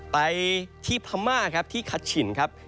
ไปที่พม่าครับที่คัชชินครับ